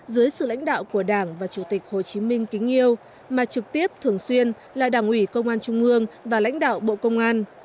dưới sự lãnh đạo của đảng và chủ tịch hồ chí minh kính yêu mà trực tiếp thường xuyên là đảng ủy công an trung ương và lãnh đạo bộ công an